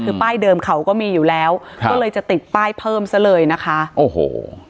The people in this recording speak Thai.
คือป้ายเดิมเขาก็มีอยู่แล้วก็เลยจะติดป้ายเพิ่มซะเลยนะคะโอ้โห